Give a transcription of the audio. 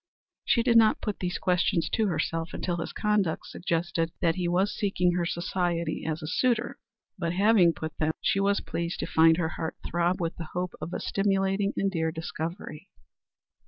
She did not put these questions to herself until his conduct suggested that he was seeking her society as a suitor; but having put them, she was pleased to find her heart throb with the hope of a stimulating and dear discovery.